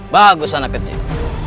bagus anak kecil